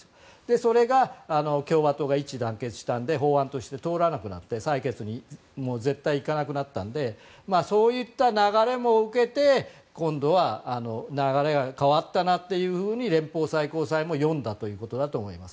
それが共和党が一致団結したので法案として通らなくなって裁決に絶対行かなくなったのでそういった流れも受けて今度は流れが変わったらというふうに連邦最高裁も読んだということだと思います。